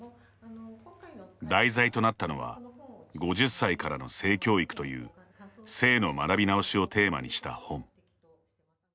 題材となったのは「５０歳からの性教育」という性の学びなおしをテーマにした本。